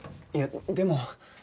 いやでも。